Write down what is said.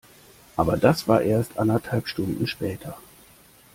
Aber das war erst anderthalb Stunden später.